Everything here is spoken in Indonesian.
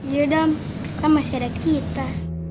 yaudah kan masih ada kita